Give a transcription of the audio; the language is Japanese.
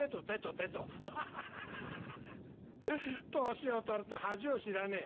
年を取ると恥を知らねえ」。